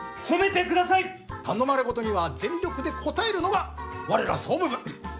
頼まれ事には全力で応えるのが我ら総務部。